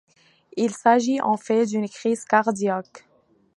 Il s'agit en fait d'une crise cardiaque.